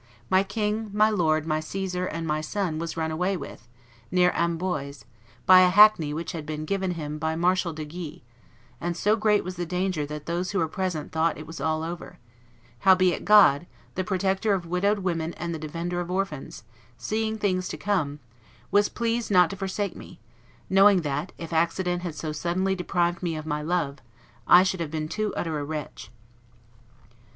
my king, my lord, my Caesar, and my son, was run away with, near Amboise, by a hackney which had been given him by Marshal de Gye; and so great was the danger that those who were present thought it was all over; howbeit God, the protector of widowed women and the defender of orphans, foreseeing things to come, was pleased not to forsake me, knowing that, if accident had so suddenly deprived me of my love, I should have been too utter a wretch."